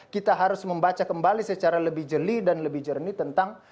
kita harus membaca kembali secara lebih jeli dan lebih jernih tentang